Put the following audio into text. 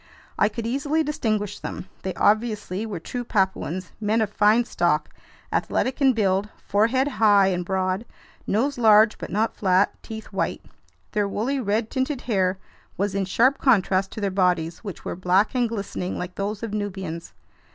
I could easily distinguish them. They obviously were true Papuans, men of fine stock, athletic in build, forehead high and broad, nose large but not flat, teeth white. Their woolly, red tinted hair was in sharp contrast to their bodies, which were black and glistening like those of Nubians.